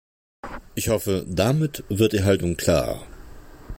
Ich hoffe, damit wird die Haltung klar.